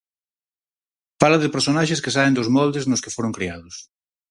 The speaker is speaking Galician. Fala de personaxes que saen dos moldes nos que foron criados.